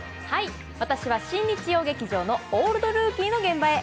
私は新日曜劇場の「オールドルーキー」の現場へ。